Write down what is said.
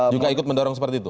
juga ikut mendorong seperti itu